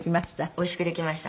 おいしくできました。